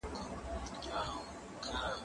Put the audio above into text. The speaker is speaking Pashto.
زه اوس لوبه کوم!؟